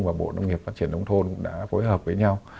và bộ nông nghiệp phát triển nông thôn cũng đã phối hợp với nhau